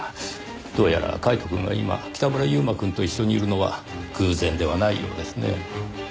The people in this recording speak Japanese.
どうやらカイトくんが今北村悠馬くんと一緒にいるのは偶然ではないようですねぇ。